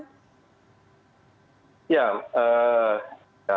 bahwa presiden akan menyelamatkan pak giri dan pegawai lainnya yang tidak lolos mas anam